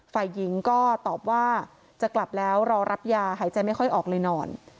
ฝ่ายหญิงก็ตอบว่าจะกลับแล้วรอรับยาหายใจไม่ค่อยออกเลยนอน